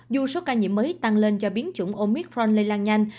dù số ca nhiễm mới tăng lên do biến chủng omicron lây lan nhanh